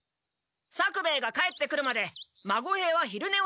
作兵衛が帰ってくるまで孫兵は昼ねをしていてくれ。